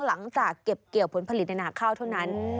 หลังจากเก็บเกี่ยวผลผลิตในหนาข้าวเท่านั้น